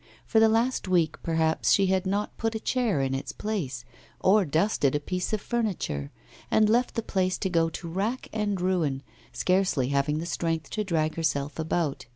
For the last week, perhaps, she had not put a chair in its place, or dusted a piece of furniture; she left the place to go to wreck and ruin, scarcely having the strength to drag herself about.